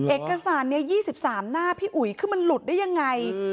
เอกสารนี้๒๓หน้าพี่อุ๋ยคือมันหลุดได้ยังไง